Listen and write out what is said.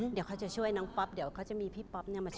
เดี๋ยวเขาจะช่วยน้องป๊อปเดี๋ยวเขาจะมีพี่ป๊อปมาช่วย